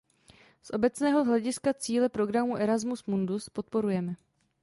Z obecného hlediska cíle programů Erasmus Mundus podporujeme.